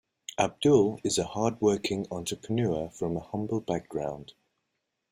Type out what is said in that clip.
Abdul is a hard working entrepreneur from a humble background.